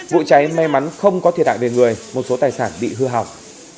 vụ cháy may mắn không có thiệt hại về người một số tài sản bị hư hỏng